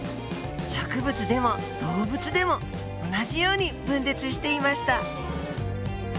植物でも動物でも同じように分裂していました。